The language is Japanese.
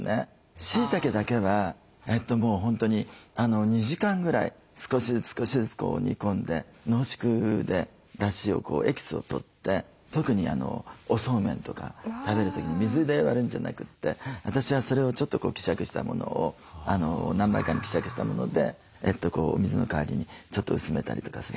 しいたけだけはもう本当に２時間ぐらい少しずつ少しずつ煮込んで濃縮でだしをエキスをとって特におそうめんとか食べる時に水で割るんじゃなくて私はそれをちょっと希釈したものを何倍かに希釈したものでお水の代わりにちょっと薄めたりとかするんですよね。